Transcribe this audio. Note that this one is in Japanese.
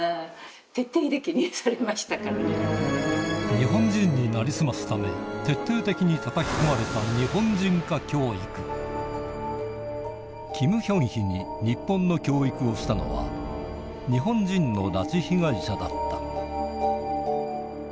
日本人に成り済ますため徹底的にたたき込まれた日本人化教育金賢姫に日本の教育をしたのは日本人の彼女は。